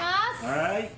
はい。